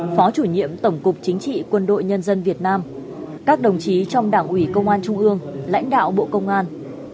phó chủ nhiệm tổng cục chính trị quân đội nhân dân việt nam các đồng chí trong đảng ủy công an trung ương lãnh đạo bộ công an